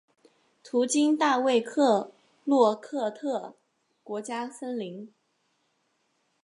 途经大卫克洛科特国家森林。